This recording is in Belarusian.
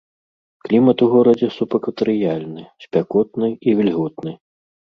Клімат у горадзе субэкватарыяльны, спякотны і вільготны.